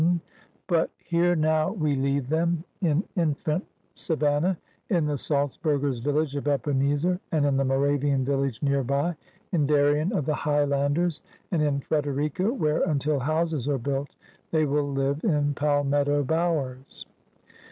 iM nONEEBS OF THE OLD SOUTH But here now we leave them — in infant Savan nah — in the Salzbuigers* village of Ebenezer and in the Moravian village nearby — in Darien of the Highlanders — and in Frederica, where until houses are built they will live in palmetto bowers.